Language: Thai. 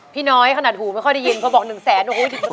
พี่น้อยขนาดหูไม่ค่อยได้ยินพอบอก๑แสน